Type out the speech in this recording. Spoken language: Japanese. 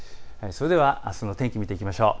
それではあすの天気、見ていきましょう。